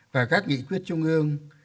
và các nghị quyết trung ương